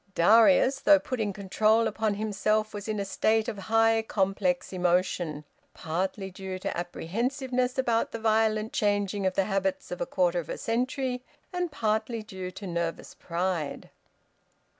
Darius, though putting control upon himself, was in a state of high complex emotion, partly due to apprehensiveness about the violent changing of the habits of a quarter of a century, and partly due to nervous pride.